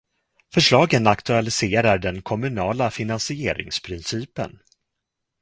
Förslagen aktualiserar den kommunala finansieringsprincipen.